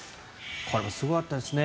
これもすごかったですね。